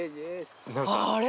あれ？